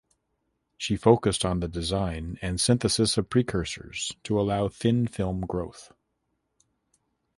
She focussed on the design and synthesis of precursors to allow thin film growth.